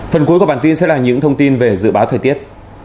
phần cuối của bản tin sẽ là những thông tin về dự báo thời tiết